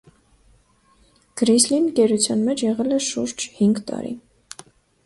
Գրիսլին գերության մեջ է եղել շուրջ հինգ տարի։